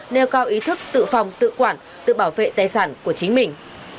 nêu cao ý thức tự phòng tự quản tự bảo vệ tài sản của chính mình